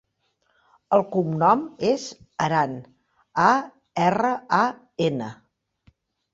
El cognom és Aran: a, erra, a, ena.